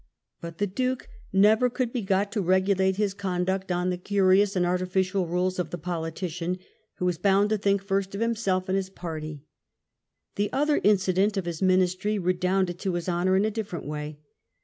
But the Duke never could be got 24S WELLINGTOX chap. to r^nlate hia coodnct on the cariooft^and artificial mles of the politician, who is bound to think first of himself and his party. The other incident of his Ministry redounded to his honour in a different way.